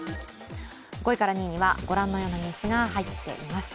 ５位から２位にはご覧のようなニュースが入っています。